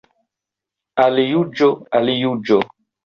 Al Juĝo, al Juĝo!